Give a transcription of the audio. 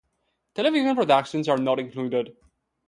Television productions are not included.